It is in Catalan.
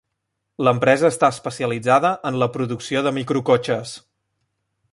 L'empresa està especialitzada en la producció de microcotxes.